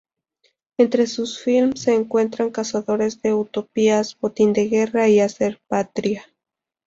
Entre sus films se encuentran Cazadores de Utopías, Botín de Guerra y Hacer Patria.